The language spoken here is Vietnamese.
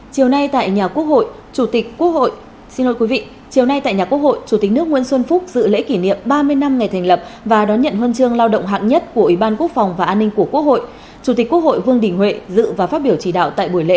chiều nay tại nhà quốc hội chủ tịch quốc hội chủ tịch nước nguyễn xuân phúc dự lễ kỷ niệm ba mươi năm ngày thành lập và đón nhận huân chương lao động hạng nhất của ủy ban quốc phòng và an ninh của quốc hội chủ tịch quốc hội vương đình huệ dự và phát biểu chỉ đạo tại buổi lễ